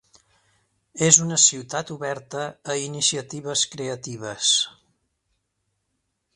És una ciutat oberta a iniciatives creatives.